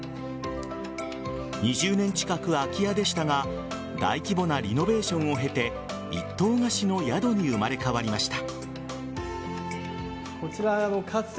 ２０年近く空き家でしたが大規模なリノベーションを経て一棟貸しの宿に生まれ変わりました。